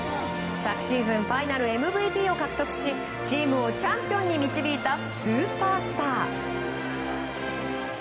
昨シーズンファイナルＭＶＰを獲得しチームをチャンピオンに導いたスーパースター。